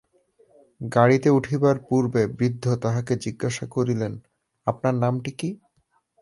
গাড়িতে উঠিবার পূর্বে বৃদ্ধ তাহাকে জিজ্ঞাসা করিলেন, আপনার নামটি কী?